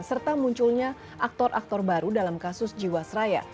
serta munculnya aktor aktor baru dalam kasus jiwasraya